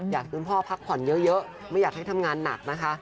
คุณพ่อพักผ่อนเยอะไม่อยากให้ทำงานหนักนะคะ